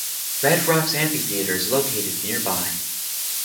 Red Rocks Amphitheatre is located nearby.